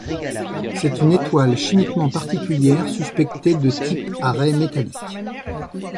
C'est une étoile chimiquement particulière suspectée de type à raies métalliques.